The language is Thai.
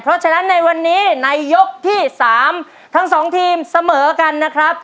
เพราะฉะนั้นในวันนี้ในยกที่๓ทั้งสองทีมเสมอกันนะครับ